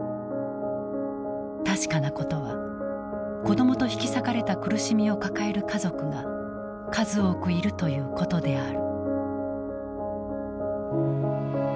確かなことは子どもと引き裂かれた苦しみを抱える家族が数多くいるということである。